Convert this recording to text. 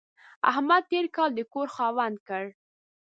احمد يې تېر کال د کور خاوند کړ.